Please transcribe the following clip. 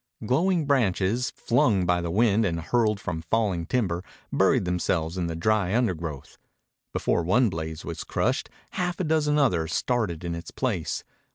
Glowing branches, flung by the wind and hurled from falling timber, buried themselves in the dry undergrowth. Before one blaze was crushed half a dozen others started in its place.